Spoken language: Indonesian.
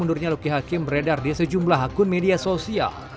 akhirnya loki hakim beredar di sejumlah akun media sosial